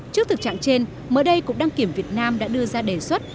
trước thực trạng trên mở đây cũng đăng kiểm việt nam đã đưa ra đề xuất